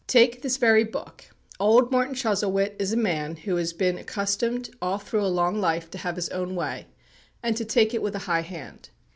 Take this very book. Old Martin Chuzzlewit is a man who has been accustomed, all through a long life, to have his own way, and to take it with a high hand.